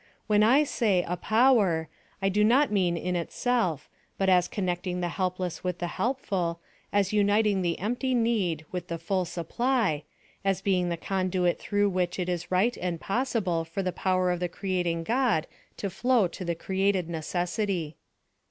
When I say a power, I do not mean in itself, but as connecting the helpless with the helpful, as uniting the empty need with the full supply, as being the conduit through which it is right and possible for the power of the creating God to flow to the created necessity.